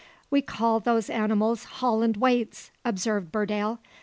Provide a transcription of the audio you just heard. "We call those animals `Holland waits,'" observed Burdale.